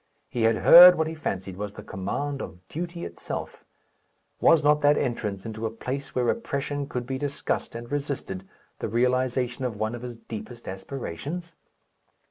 He had heard what he fancied was the command of duty itself. Was not that entrance into a place where oppression could be discussed and resisted the realization of one of his deepest aspirations?